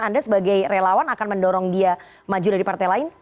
anda sebagai relawan akan mendorong dia maju dari partai lain